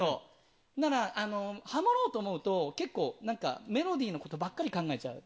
ハモろうと思うとメロディーのことばっかり考えちゃう。